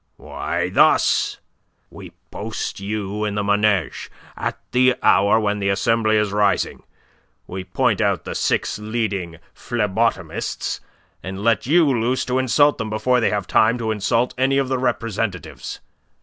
"Why, thus: We post you in the Manege, at the hour when the Assembly is rising. We point out the six leading phlebotomists, and let you loose to insult them before they have time to insult any of the representatives.